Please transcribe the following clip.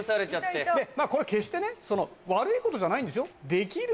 でまあこれ決してね悪いことじゃないんですよ。